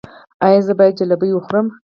ایا زه باید جلبي وخورم؟